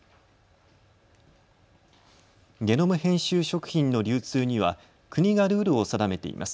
ゲノム編集食品の流通には、国がルールを定めています。